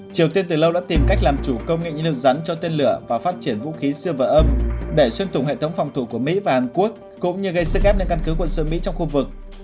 triều tiên từ lâu đã tìm cách làm chủ công nghệ nhân lực rắn cho tên lửa và phát triển vũ khí siêu và âm để xuyên tụng hệ thống phòng thủ của mỹ và hàn quốc cũng như gây sức ép nên căn cứ quân sự mỹ trong khu vực